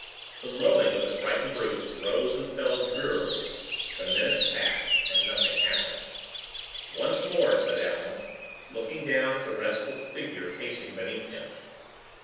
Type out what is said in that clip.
The lowing of the frightened brutes rose and fell drearily, the minutes passed, and nothing happened. "Once more!" said Allan, looking down at the restless figure pacing beneath him.